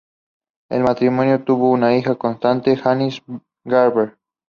El matrimonio tuvo una hija cantante, Janis Garber.